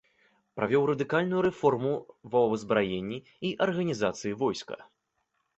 Правёў радыкальную рэформу ва ўзбраенні і арганізацыі войска.